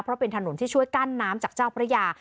เพราะเป็นถนนที่ช่วยกั้นน้ำจากเจ้าพระยา